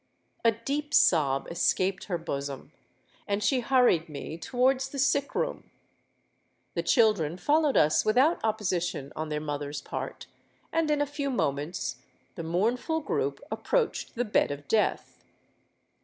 A deep sob escaped her bosom—and she hurried me towards the sick room. The children followed us without opposition on their mother's part; and in a few moments the mournful group approached the bed of death.